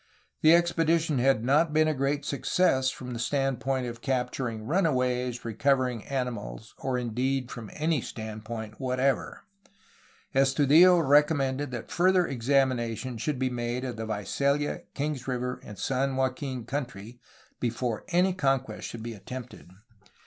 The expedition had not been a great success from the standpoint of capturing runaways, recovering animals, or indeed from any stand point whatever. Estudillo recommended that further ex amination should be made of the Visalia, Kings River, and San Joaquin country before any conquest should be at tempted.